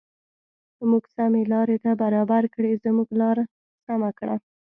موږ سمې لارې ته برابر کړې زموږ لار سمه کړه.